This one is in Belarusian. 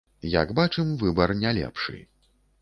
Як бачым, выбар не лепшы.